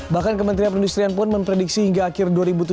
bahkan kementerian perindustrian pun memprediksi hingga akhir dua ribu tujuh belas